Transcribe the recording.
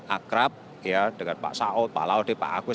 akrab ya dengan pak saul pak laudy pak agus